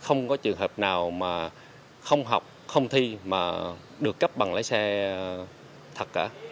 không có trường hợp nào mà không học không thi mà được cấp bằng lái xe thật cả